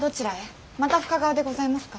また深川でございますか？